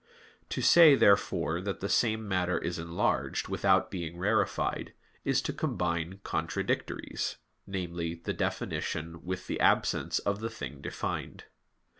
To say, therefore, that the same matter is enlarged, without being rarefied, is to combine contradictories viz. the definition with the absence of the thing defined.